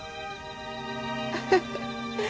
フフフ